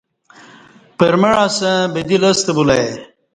پرمع اسݩ بدی لستہ بولہ ای